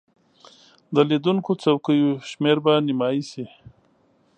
د لیدونکو څوکیو شمیر به نیمایي شي.